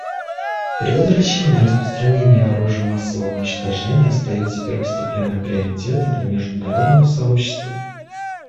Предотвращение распространения оружия массового уничтожения остается первостепенным приоритетом для международного сообщества.